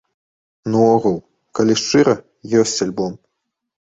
Наогул, калі шчыра, ёсць альбом.